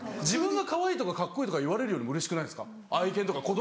自分がかわいいとかカッコいいとか言われるよりもうれしくないですか？